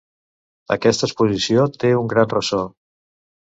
Aquesta exposició té un gran ressò.